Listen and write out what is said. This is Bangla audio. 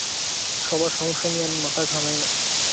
সবার সমস্যা নিয়ে আমি মাথা ঘামাই না।